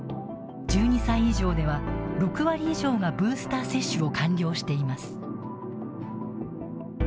１２歳以上では６割以上がブースター接種を完了しています。